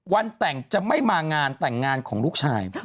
วันแต่งจะไม่มางานแต่งงานของลูกชาย